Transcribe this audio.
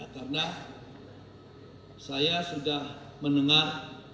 karena saya sudah mendengar